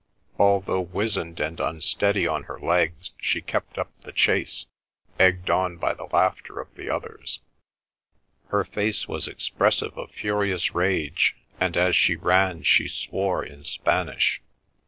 Although wizened and unsteady on her legs she kept up the chase, egged on by the laughter of the others; her face was expressive of furious rage, and as she ran she swore in Spanish.